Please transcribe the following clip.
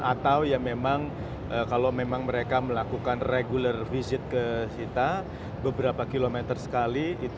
atau ya memang kalau memang mereka melakukan regular visit ke kita beberapa kilometer sekali